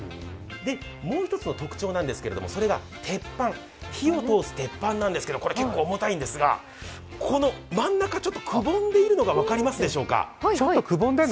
もう一つの特徴なんですが、それが鉄板、火を通す鉄板なんですけど、これ結構重たいんですが、真ん中ちょっとくぼんでいるの分かりますでしょうか。